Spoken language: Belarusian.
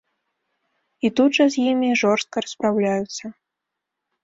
І тут жа з імі жорстка распраўляюцца.